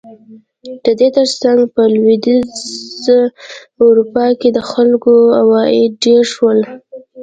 د دې ترڅنګ په لوېدیځه اروپا کې د خلکو عواید ډېر شول.